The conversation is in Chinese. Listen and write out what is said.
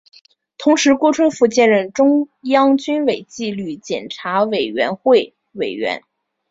同时郭春富兼任中央军委纪律检查委员会委员。